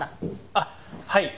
あっはい。